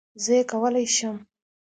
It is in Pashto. زه یې کولای شم